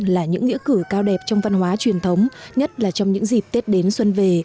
là những nghĩa cử cao đẹp trong văn hóa truyền thống nhất là trong những dịp tết đến xuân về